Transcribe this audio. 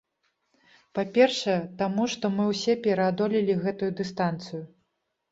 Па-першае, таму, што мы ўсе пераадолелі гэтую дыстанцыю.